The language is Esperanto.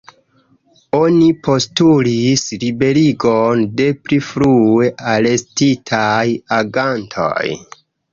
Oni postulis liberigon de pli frue arestitaj agantoj.